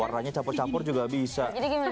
warnanya campur campur juga bisa